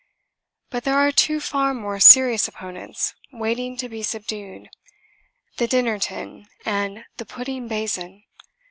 But there are two far more serious opponents waiting to be subdued the dinner tin and the pudding basin.